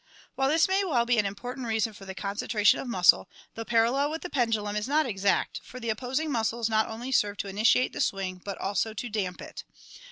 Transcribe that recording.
While this may well be an important reason for the concentration of muscle, the parallel with the pendulum is not exact, for the opposing muscles not only serve to initiate the swing but also to damp it.